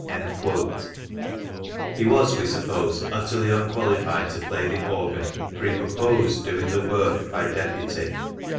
^ He was we suppose utterly unqualified to play the organ, for he pro posed doing the work by deputy (W.